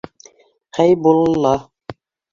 Хәйбулла.